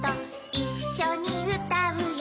いっしょにうたうよ